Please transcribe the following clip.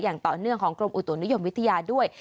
อย่างต่อเนื่องของกรมอุตุนิยมวิทยาด้วย